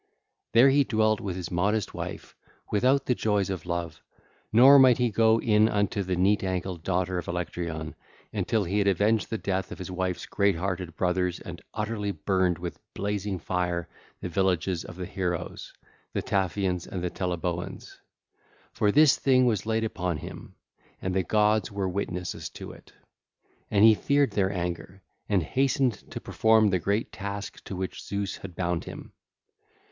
There he dwelt with his modest wife without the joys of love, nor might he go in unto the neat ankled daughter of Electyron until he had avenged the death of his wife's great hearted brothers and utterly burned with blazing fire the villages of the heroes, the Taphians and Teleboans; for this thing was laid upon him, and the gods were witnesses to it. And he feared their anger, and hastened to perform the great task to which Zeus had bound him.